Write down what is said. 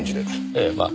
ええまあ。